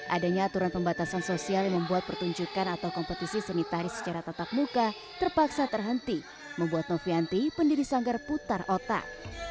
adanya aturan pembatasan sosial yang membuat pertunjukan atau kompetisi seni tari secara tatap muka terpaksa terhenti membuat novianti pendiri sanggar putar otak